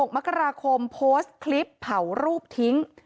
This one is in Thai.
๖มกราคมโพสต์คลิปเผารูปทิ้ง